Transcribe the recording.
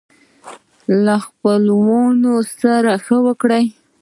خپلوانو سره ښه وکړئ